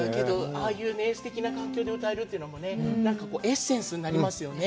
ああいうすてきな環境で歌えるというのもね、なんかエッセンスになりますよね。